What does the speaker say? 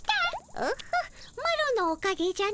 オホッマロのおかげじゃの。